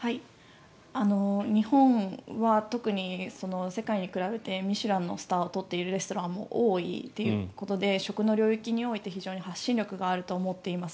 日本は特に世界に比べてミシュランのスターを取っているレストランも多いということで食の領域において非常に発信力があると思っています。